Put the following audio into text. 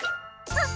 あっ！